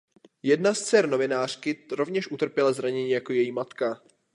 Jedna z dcer novinářky rovněž utrpěla zranění jako její matka.